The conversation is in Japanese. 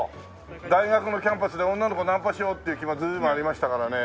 大学のキャンパスで女の子ナンパしようっていう気も随分ありましたからね。